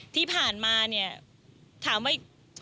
ที่ผ่านมาเนี่ยถามว่า